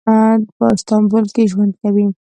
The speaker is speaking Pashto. په استانبول کې ژوند کوي.